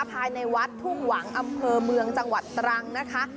ภายในวัดทุ่งหวังอำเภอเมืองจังหวัดตรังนะคะ